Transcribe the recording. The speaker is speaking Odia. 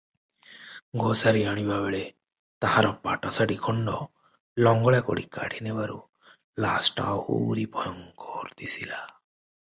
ଘୋଷାରି ଆଣିବାବେଳେ ତାହାର ପାଟଶାଢ଼ୀ ଖଣ୍ତ ଲଙ୍ଗଳାକରି କାଢ଼ିନେବାରୁ ଲାସ୍ଟା ଆହୁରି ଭୟଙ୍କର ଦିଶିଲା ।